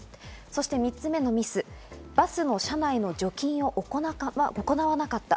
そして３つ目のミス、バスの車内の除菌を行わなかった。